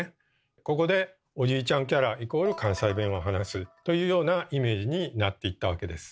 ここで「おじいちゃんキャラ」イコール「関西弁を話す」というようなイメージになっていったわけです。